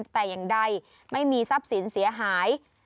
แต่อย่างใดไม่มีทรัพย์สินเสียหาย